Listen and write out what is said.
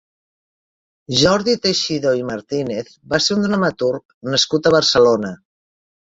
Jordi Teixidor i Martínez va ser un dramaturg nascut a Barcelona.